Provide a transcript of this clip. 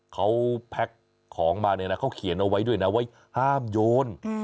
เขาแพ็คของมาเนี่ยนะเขาเขียนเอาไว้ด้วยนะว่าห้ามโยน